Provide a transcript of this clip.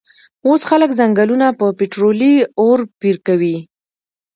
وس خلک ځنګلونه په پیټررولي ارو پیرکوی